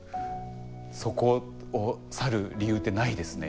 そこを去る理由ってないですね。